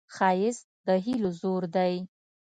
ښایست د هیلو زور دی